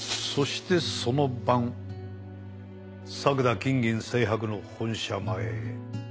そしてその晩作田金銀製箔の本社前へ。